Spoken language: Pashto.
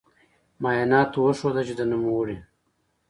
معایناتو وښوده چې د نوموړې